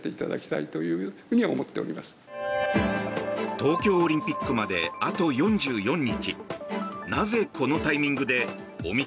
東京オリンピックまであと４４日。